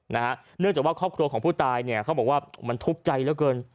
เนื่องจากว่าครอบครัวของผู้ตายทุกข์ใจเยอะเกิน